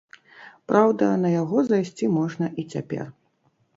Праўда, на яго зайсці можна і цяпер.